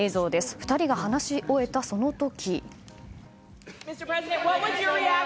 ２人が話し終えた、その時。